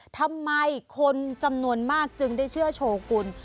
ทำไมคนจำนวนมากจึงได้เชื่อโชว์คุณ